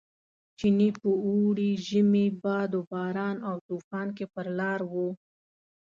چیني په اوړي، ژمي، باد و باران او توپان کې پر لار و.